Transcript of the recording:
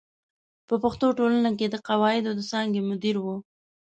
په پښتو ټولنه کې د قواعدو د څانګې مدیر و.